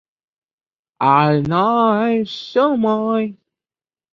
সেই সংকেত কিছু প্রক্রিয়ার মধ্যে দিয়ে গিয়ে শরীরের একটি চিত্র গঠন করে।